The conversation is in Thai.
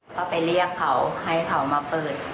ก็ไปเรียกเขาให้เขามาเปิด